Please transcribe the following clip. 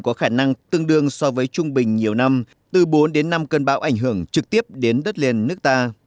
có khả năng tương đương so với trung bình nhiều năm từ bốn đến năm cơn bão ảnh hưởng trực tiếp đến đất liền nước ta